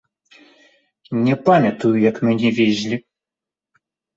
Не памятаю, як мяне везлі.